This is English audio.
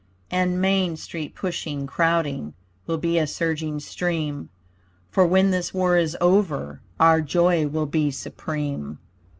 And Main Street pushing, crowding, Will be a surging stream, For when this war is over Our joy will be supreme.